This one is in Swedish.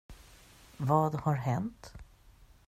Vad har hänt?